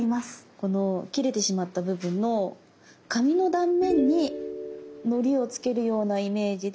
この切れてしまった部分の紙の断面にのりをつけるようなイメージで。